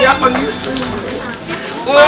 bangun bangun bangun